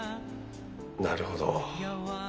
なるほど。